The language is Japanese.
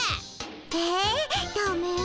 えっダメ？